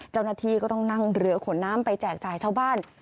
เจ้าหน้าที่ก็ต้องนั่งเรือขนน้ำไปแจกจ่ายชาวบ้าน